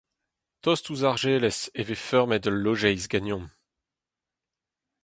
Tost ouzh Argelès e vez feurmet ul lojeiz ganeomp.